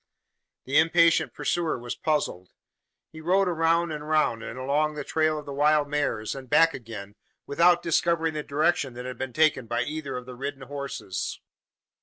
The impatient pursuer was puzzled. He rode round and round, and along the trail of the wild mares, and back again, without discovering the direction that had been taken by either of the ridden horses.